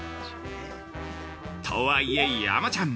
とはいえ山ちゃん！